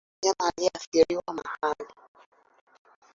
Mfungie mnyama aliyeathiriwa mahali